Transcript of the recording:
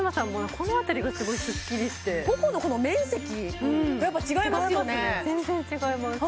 このあたりがすごいスッキリしてほほの面積がやっぱ違いますよね全然違います